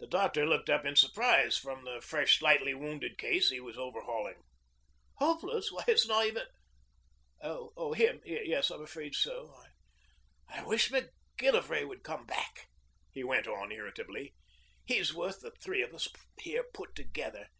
The doctor looked up in surprise from the fresh slightly wounded case he was overhauling. 'Hopeless? Why, it's not even Oh! him? Yes, I'm afraid so. ... I wish Macgillivray would come back,' he went on irritably. 'He's worth the three of us here put together.